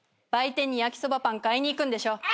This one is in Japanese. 売店に焼きそばパン買いに行くんでしょ。